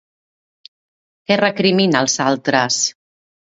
Què recrimina als altres?